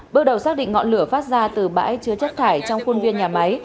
bước đầu xác định ngọn lửa phát ra từ bãi chứa chất thải trong khuôn viên nhà máy